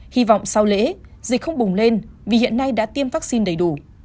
hy vọng sau lễ dịch không bùng lên vì hiện nay đã tiêm vaccine đầy đủ